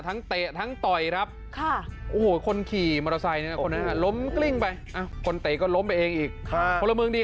ทั้งเตะทั้งต่อยครับค่ะโอ้โหคนขี่มอเตอร์ไซค์เนี้ย